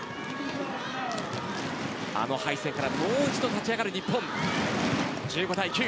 あの敗戦からもう一度立ち上がる日本。